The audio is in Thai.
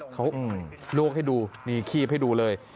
เขาลวกให้ดูนี่คีบให้ดูเลย